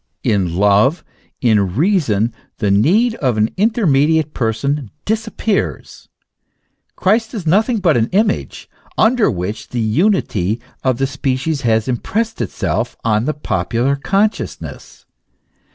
In love, in reason, the need of an intermediate person disappears. Christ is nothing but an image, under which the unity of the species has impressed itself on the popular consciousness.